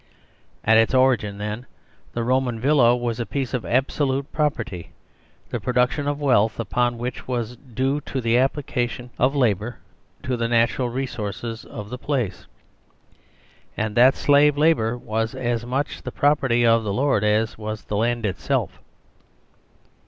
At its origin, then, the Roman Villa was a piece of absolute property, the production of wealth upon which was due to the application of slave labour to the natural resources of the place ; and that slave labour was as much the property of the lord as was the land itself.